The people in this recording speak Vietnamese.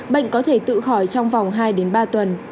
bệnh có thể tự khỏi trong vòng hai ba tuần